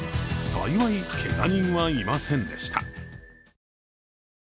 幸い、けが人はいませんでした。